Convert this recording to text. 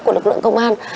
của lực lượng công an